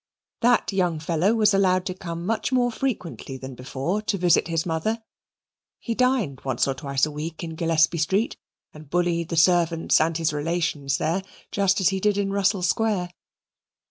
That young fellow was allowed to come much more frequently than before to visit his mother. He dined once or twice a week in Gillespie Street and bullied the servants and his relations there, just as he did in Russell Square.